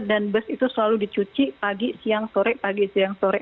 dan bus itu selalu dicuci pagi siang sore pagi siang sore